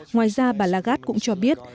ngoài ra bà lagarde cũng cho biết